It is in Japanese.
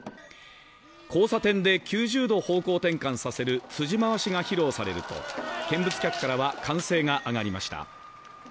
交差点で９０度方向転換させる辻回しが披露されると、見物客からは歓声が上がりました。